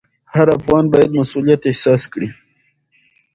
هر افغان باید مسوولیت احساس کړي.